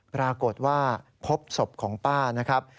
ปรากฏว่าพบศพของป้านะครับ